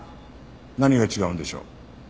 何が違うんでしょう？